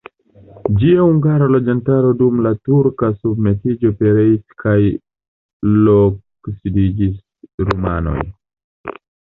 Ĝia hungara loĝantaro dum la turka submetiĝo pereis kaj loksidiĝis rumanoj.